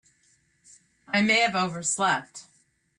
I may have overslept.